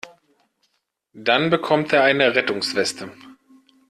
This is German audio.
Dann bekommt er eine Rettungsweste.